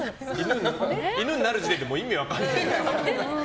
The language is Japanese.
犬になる時点で意味分からない。